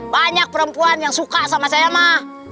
banyak perempuan yang suka sama saya mah